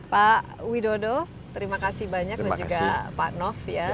pak widodo terima kasih banyak dan juga pak nof ya